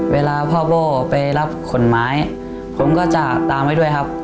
เวลาพ่อโบ้ไปรับขนไม้ผมก็จะตามไว้ด้วยครับ